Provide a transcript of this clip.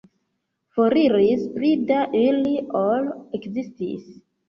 Foriris pli da ili, ol ekzistis.